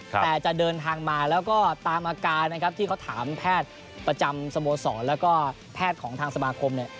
แต่จะเดินทางมาแล้วก็ตามอาการนะครับที่เขาถามแพทย์ประจำสโมสรแล้วก็แพทย์ของทางสมาคมเนี่ย